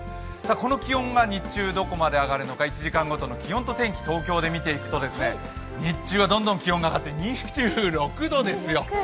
この気温が日中、どこまで上がるのか１時間後との気温と天気、東京で見ていくと日中はどんどん気温が上がって２６度ですよ。